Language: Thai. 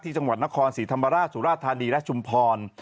ที่จังหวัดนครสีธรรมราชสุราธารณีและจุมพร